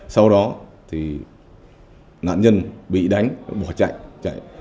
sau đó thì nạn nhân bị đánh bỏ chạy